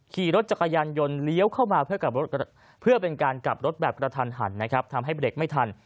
ขี่รถจักรยานยนต์เลี้ยวเข้ามาเพื่อกลับรถกระถันหันทำให้เบล็กไม่ทัน